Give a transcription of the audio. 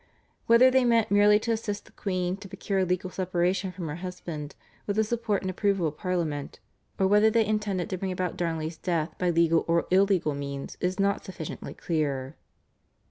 Whether they meant merely to assist the queen to procure a legal separation from her husband with the support and approval of Parliament, or whether they intended to bring about Darnley's death by legal or illegal means is not sufficiently clear.